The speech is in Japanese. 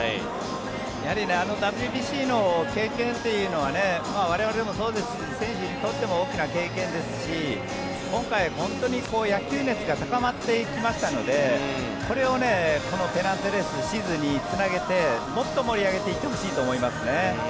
あのＷＢＣの経験というのは我々もそうです選手にとっても大きな経験ですし今回、本当に野球熱が高まっていきましたのでこれをこのペナントレースシーズンにつなげてもっと盛り上げていってほしいと思いますね。